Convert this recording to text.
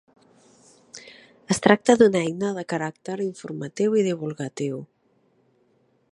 Es tracta d'una eina de caràcter informatiu i divulgatiu.